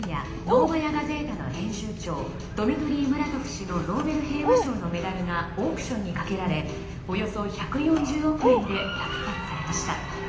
ノーバヤ・ガゼータの編集長ドミトリー・ムラトフ氏のノーベル平和賞のメダルがオークションにかけられおよそ１４０億円で落札されました。